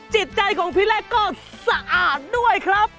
จิตใจของพี่เล็กก็สะอาดด้วยครับ